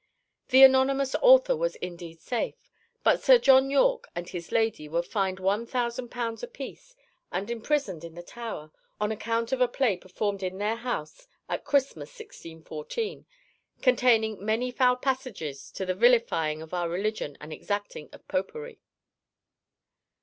The anonymous author was indeed safe, but Sir John Yorke and his lady were fined one thousand pounds apiece and imprisoned in the Tower on account of a play performed in their house at Christmas, 1614, containing "many foul passages to the vilifying of our religion and exacting of popery."